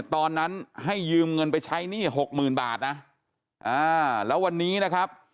ตอนนั้นให้ยืมเงินไปใช้หนี้หกหมื่นบาทนะแล้ววันนี้นะครับ